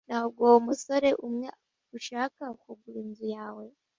Ntabwo uwo musore umwe ushaka kugura inzu yawe?